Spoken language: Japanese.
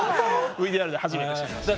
ＶＴＲで初めて知りました。